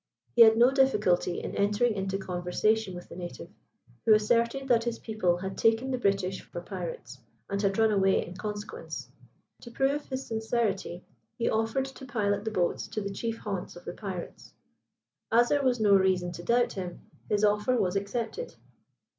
He had no difficulty in entering into conversation with the native, who asserted that his people had taken the British for pirates, and had run away in consequence. To prove his sincerity, he offered to pilot the boats to the chief haunts of the pirates. As there was no reason to doubt him, his offer was accepted.